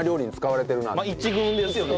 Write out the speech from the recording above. まあ一軍ですよね。